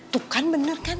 tuh kan bener kan